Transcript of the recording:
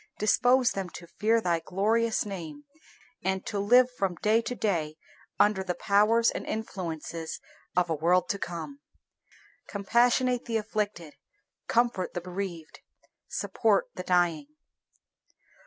Dispose them to fear Thy glorious name, and to live from day to day under the powers and influences of a world to come. Compassionate the afflicted; comfort the bereaved; support the dying.